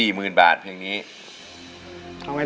พี่ต้องรู้หรือยังว่าเพลงนี้เพลงอะไร